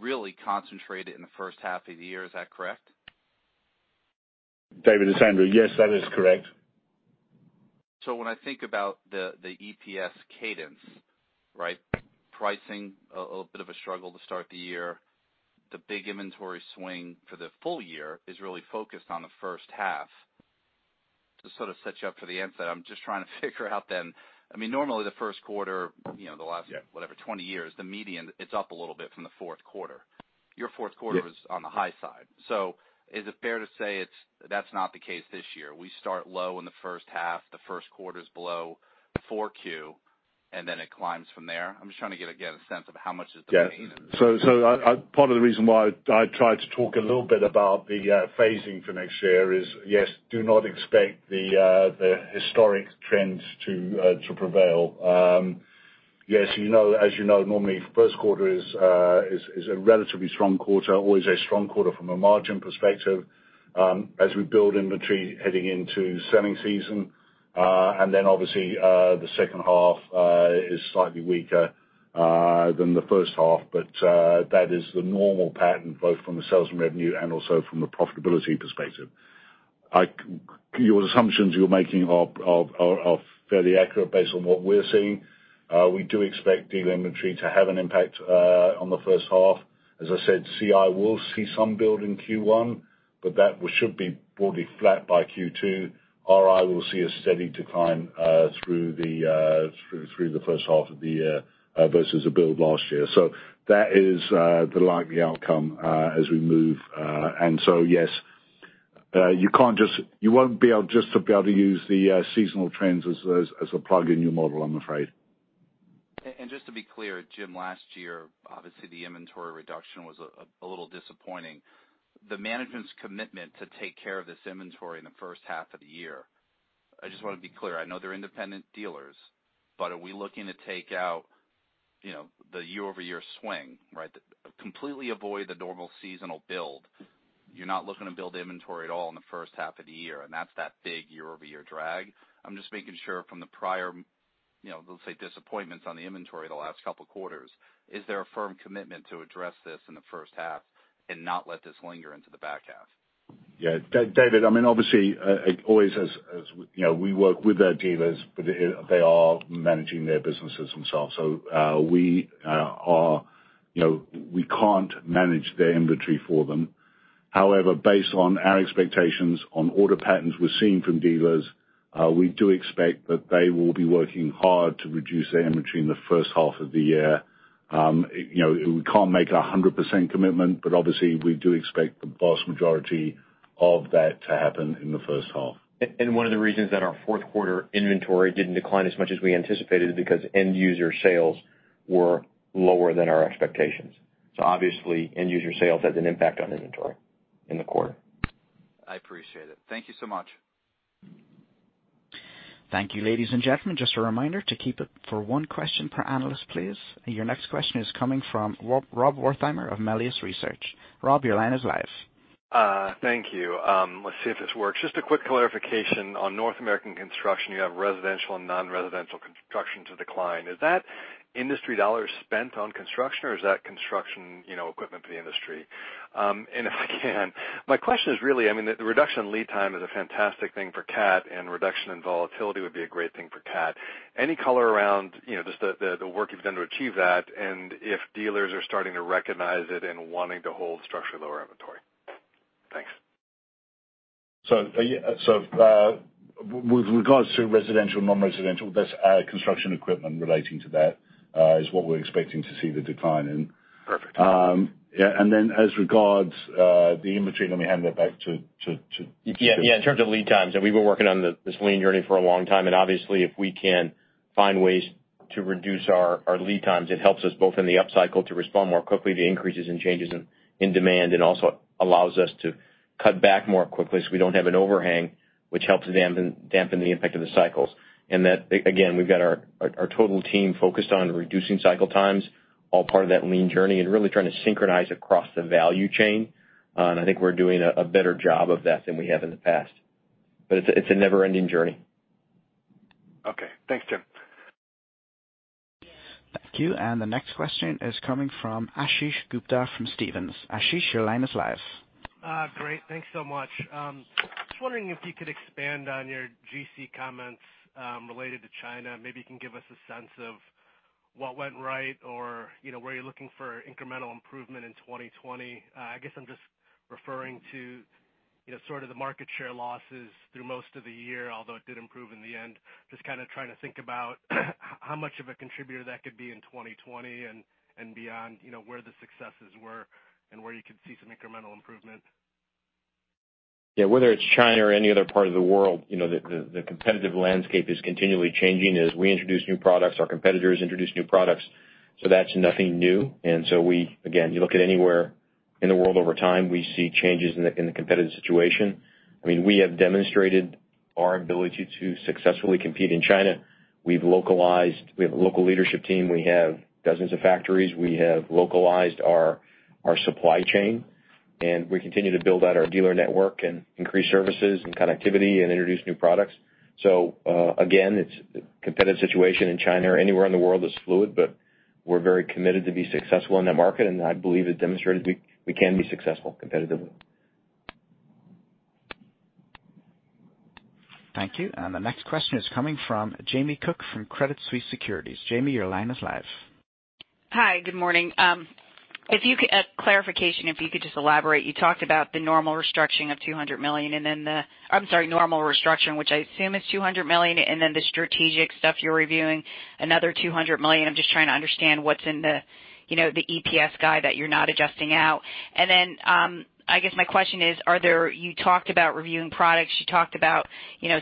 really concentrated in the first half of the year. Is that correct? David, it's Andrew. Yes, that is correct. When I think about the EPS cadence, right? Pricing, a bit of a struggle to start the year. The big inventory swing for the full-year is really focused on the first half to sort of set you up for the end. I'm just trying to figure out, normally the first quarter, the last, whatever, 20 years, the median, it's up a little bit from the fourth quarter. Your fourth quarter was on the high side. Is it fair to say that's not the case this year? We start low in the first half, the first quarter's below 4Q, and then it climbs from there? I'm just trying to get, again, a sense of how much is the phase. Yes. Part of the reason why I tried to talk a little bit about the phasing for next year is, yes, do not expect the historic trends to prevail. As you know, normally first quarter is a relatively strong quarter, always a strong quarter from a margin perspective, as we build inventory heading into selling season. Obviously, the second half is slightly weaker than the first half. That is the normal pattern, both from a sales and revenue, and also from a profitability perspective. Your assumptions you're making are fairly accurate based on what we're seeing. We do expect dealer inventory to have an impact on the first half. As I said, CI will see some build in Q1, but that should be broadly flat by Q2, or we'll see a steady decline through the first half of the year versus the build last year. That is the likely outcome as we move. Yes, you won't be able just to be able to use the seasonal trends as a plug in your model, I'm afraid. Just to be clear, Jim, last year, obviously the inventory reduction was a little disappointing. The management's commitment to take care of this inventory in the first half of the year, I just want to be clear, I know they're independent dealers, but are we looking to take out the year-over-year swing, right? Completely avoid the normal seasonal build. You're not looking to build inventory at all in the first half of the year, and that's that big year-over-year drag. I'm just making sure from the prior, let's say, disappointments on the inventory the last couple of quarters, is there a firm commitment to address this in the first half and not let this linger into the back half? Yeah. David, obviously, we work with our dealers, but they are managing their businesses themselves. We can't manage their inventory for them. However, based on our expectations on order patterns we're seeing from dealers, we do expect that they will be working hard to reduce their inventory in the first half of the year. We can't make 100% commitment, but obviously, we do expect the vast majority of that to happen in the first half. One of the reasons that our fourth quarter inventory didn't decline as much as we anticipated is because end-user sales were lower than our expectations. Obviously, end-user sales has an impact on inventory in the quarter. I appreciate it. Thank you so much. Thank you, ladies and gentlemen. Just a reminder to keep it for one question per analyst, please. Your next question is coming from Rob Wertheimer of Melius Research. Rob, your line is live. Thank you. Let's see if this works. Just a quick clarification on North American construction. You have residential and non-residential construction to decline. Is that industry dollars spent on construction, or is that construction equipment for the industry? If I can, my question is really, the reduction in lead time is a fantastic thing for Cat, and reduction in volatility would be a great thing for Cat. Any color around just the work you've done to achieve that, and if dealers are starting to recognize it and wanting to hold structurally lower inventory. Thanks. With regards to residential, non-residential, that's our construction equipment relating to that is what we're expecting to see the decline in. Perfect. As regards the inventory, let me hand it back to you, Jim. Yeah. In terms of lead times, and we've been working on this lean journey for a long time, and obviously, if we can find ways to reduce our lead times, it helps us both in the up cycle to respond more quickly to increases and changes in demand, and also allows us to cut back more quickly so we don't have an overhang, which helps dampen the impact of the cycles. That, again, we've got our total team focused on reducing cycle times, all part of that lean journey and really trying to synchronize across the value chain. I think we're doing a better job of that than we have in the past. It's a never-ending journey. Okay. Thanks, Jim. Thank you. The next question is coming from Ashish Gupta from Stephens. Ashish, your line is live. Great. Thanks so much. Just wondering if you could expand on your GC comments related to China. Maybe you can give us a sense of what went right or where you're looking for incremental improvement in 2020. I guess I'm just referring to sort of the market share losses through most of the year, although it did improve in the end. Just kind of trying to think about how much of a contributor that could be in 2020 and beyond, where the successes were and where you could see some incremental improvement. Yeah. Whether it's China or any other part of the world, the competitive landscape is continually changing. As we introduce new products, our competitors introduce new products, so that's nothing new. Again, you look at anywhere in the world over time, we see changes in the competitive situation. We have demonstrated our ability to successfully compete in China. We have a local leadership team. We have dozens of factories. We have localized our supply chain, and we continue to build out our dealer network and increase services and connectivity and introduce new products. Again, it's a competitive situation in China or anywhere in the world that's fluid, but we're very committed to be successful in that market, and I believe it demonstrated we can be successful competitively. Thank you. The next question is coming from Jamie Cook from Credit Suisse Securities. Jamie, your line is live. Hi, good morning. A clarification, if you could just elaborate, you talked about the normal restructuring of $200 million, and then the I'm sorry, normal restructuring, which I assume is $200 million, and then the strategic stuff you're reviewing another $200 million. I'm just trying to understand what's in the EPS guide that you're not adjusting out. I guess my question is, you talked about reviewing products, you talked about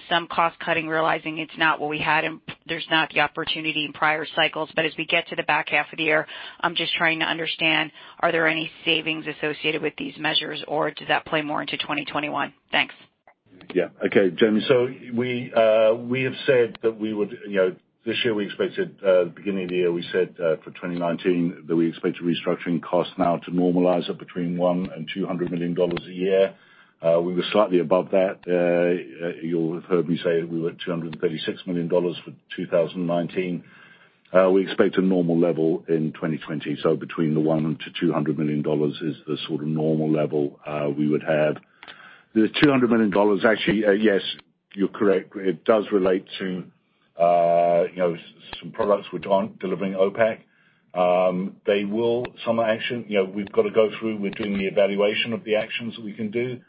some cost-cutting, realizing it's not what we had, and there's not the opportunity in prior cycles. As we get to the back half of the year, I'm just trying to understand, are there any savings associated with these measures, or does that play more into 2021? Thanks. Okay, Jamie. We have said that this year we expected, beginning of the year, we said, for 2019, that we expect restructuring costs now to normalize at between $100 million and $200 million a year. We were slightly above that. You'll have heard me say that we were at $236 million for 2019. We expect a normal level in 2020. Between the $100 million-`$200 million is the sort of normal level we would have. The $200 million actually, yes, you're correct, it does relate to some products which aren't delivering OPACC. They will, some action. We've got to go through, we're doing the evaluation of the actions we can do.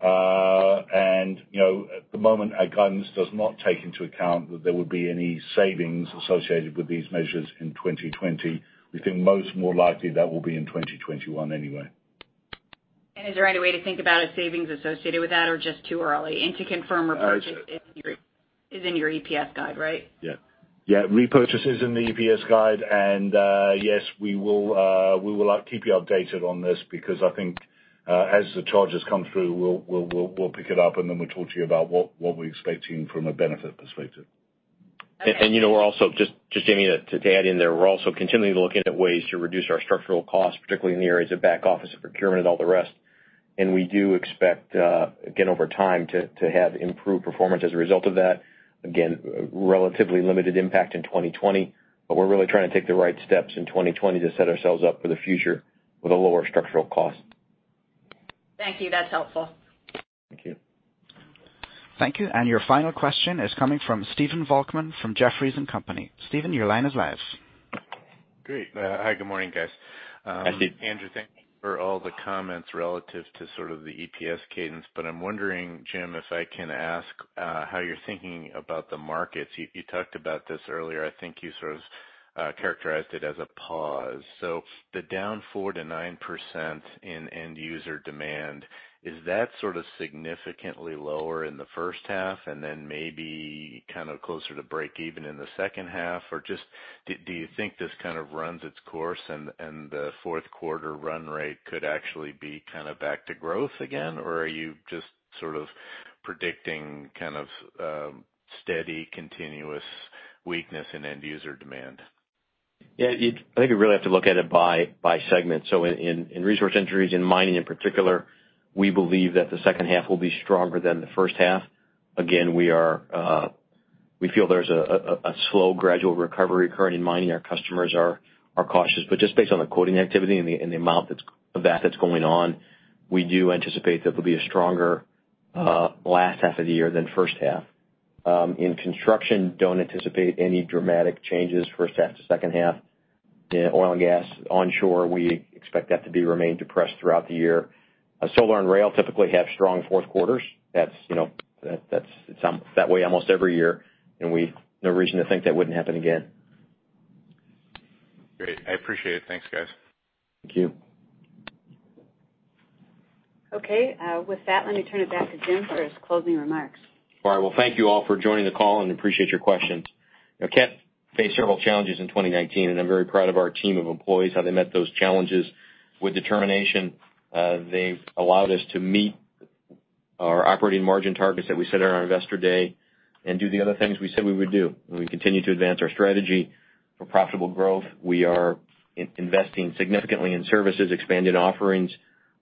At the moment, our guidance does not take into account that there would be any savings associated with these measures in 2020. We think most more likely that will be in 2021 anyway. Is there any way to think about a savings associated with that or just too early? To confirm repurchase is in your EPS guide, right? Yeah. Repurchase is in the EPS guide. Yes, we will keep you updated on this because I think, as the charges come through, we'll pick it up, then we'll talk to you about what we're expecting from a benefit perspective. Okay. We're also just, Jamie, to add in there, we're also continually looking at ways to reduce our structural costs, particularly in the areas of back office, procurement, and all the rest. We do expect, again, over time to have improved performance as a result of that. Again, relatively limited impact in 2020, but we're really trying to take the right steps in 2020 to set ourselves up for the future with a lower structural cost. Thank you. That's helpful. Thank you. Thank you. Your final question is coming from Stephen Volkmann from Jefferies & Company. Stephen, your line is live. Great. Hi, good morning, guys. Hi, Steve. Andrew, thank you for all the comments relative to sort of the EPS cadence. I'm wondering, Jim, if I can ask how you're thinking about the markets. You talked about this earlier. I think you sort of characterized it as a pause. The down 4%-9% in end user demand, is that sort of significantly lower in the first half and then maybe kind of closer to break even in the second half? Just do you think this kind of runs its course and the fourth quarter run rate could actually be kind of back to growth again? Are you just sort of predicting kind of steady, continuous weakness in end user demand? Yeah, I think we really have to look at it by segment. In Resource Industries, in mining in particular, we believe that the second half will be stronger than the first half. Again, we feel there's a slow gradual recovery occurring in mining. Our customers are cautious, but just based on the quoting activity and the amount of that that's going on, we do anticipate that there'll be a stronger last half of the year than first half. In Construction, don't anticipate any dramatic changes first half to second half. In oil and gas onshore, we expect that to remain depressed throughout the year. Solar and rail typically have strong fourth quarters. It's that way almost every year, and no reason to think that wouldn't happen again. Great. I appreciate it. Thanks, guys. Thank you. Okay. With that, let me turn it back to Jim for his closing remarks. All right. Well, thank you all for joining the call, and appreciate your questions. Cat faced several challenges in 2019, and I'm very proud of our team of employees, how they met those challenges with determination. They've allowed us to meet our operating margin targets that we set on our Investor Day and do the other things we said we would do. We continue to advance our strategy for profitable growth. We are investing significantly in services, expanding offerings,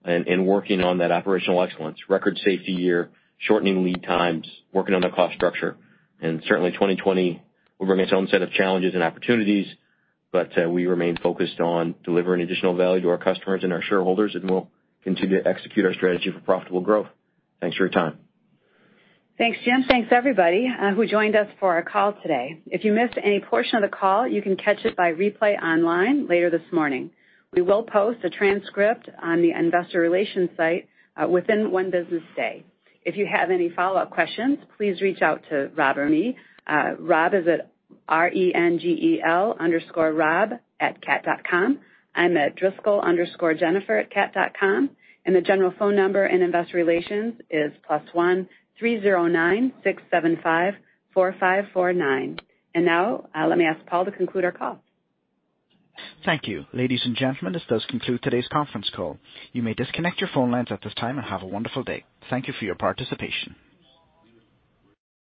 and working on that operational excellence. Record safety year, shortening lead times, working on the cost structure. Certainly 2020 will bring its own set of challenges and opportunities, but we remain focused on delivering additional value to our customers and our shareholders, and we'll continue to execute our strategy for profitable growth. Thanks for your time. Thanks, Jim. Thanks, everybody, who joined us for our call today. If you missed any portion of the call, you can catch it by replay online later this morning. We will post a transcript on the investor relations site within one business day. If you have any follow-up questions, please reach out to Rob or me. Rob is at R-E-N-G-E-L_Rob@cat.com. I'm at Driscoll_Jennifer@cat.com. The general phone number in investor relations is +1-309-675-4549. Now, let me ask Paul to conclude our call. Thank you. Ladies and gentlemen, this does conclude today's conference call. You may disconnect your phone lines at this time, and have a wonderful day. Thank you for your participation.